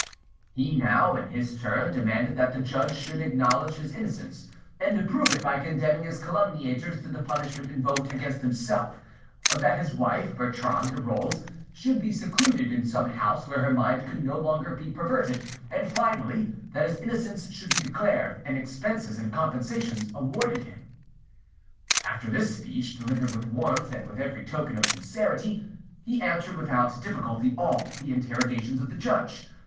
He now, in his turn, demanded that the judge should acknowledge his innocence, and prove it by condemning his calumniators to the punishment invoked against himself; that his wife, Bertrande de Rolls, should be secluded in some house where her mind could no longer be perverted, and, finally, that his innocence should be declared, and expenses and compensations awarded him. After this speech, delivered with warmth, and with every token of sincerity, he answered without difficulty all the interrogations of the judge.